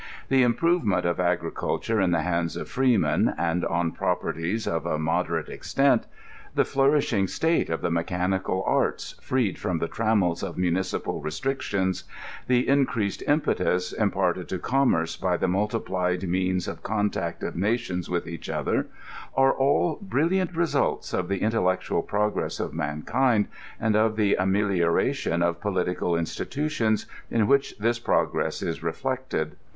Tbe improvement of agri culture in tbe bands of fireemen, and on properties of a mod erate extent — ^tbe flourisbing state of tbe mecbanical arts freed from tbe trammels of municipal restrictipnB tbe increased impetus imparted to commerce by tbe multiplied means of contact of nations vnjth. eacb otber, are all brilliant results of tbe intellectual progress of mankind* and of tbe amelioration of political institutions, in wbicb Ibis progress is reflected.